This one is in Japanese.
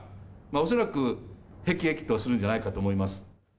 恐らくへきえきとするんじゃないかと思います。